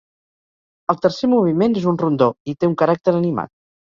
El tercer moviment és un rondó i té un caràcter animat.